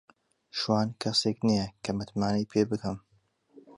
شوان کەسێک نییە کە متمانەی پێ بکەم.